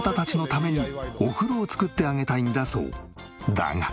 だが。